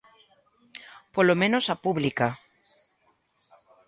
Polo menos a pública.